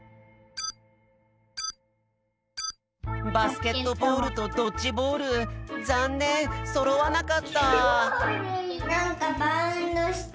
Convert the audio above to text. バスケットボールとドッジボールざんねんそろわなかった！